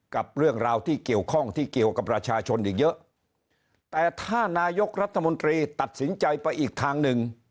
กับเรื่องราวที่เกี่ยวข้องที่เกี่ยวกับประชาชนอีกเยอะแต่ถ้านายกรัฐมนตรีตัดสินใจไปอีกทางหนึ่ง